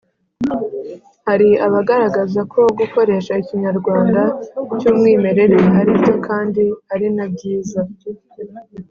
hari abagaragaza ko gukoresha ikinyarwanda cy’umwimerere ari byo kandi ari na byiza,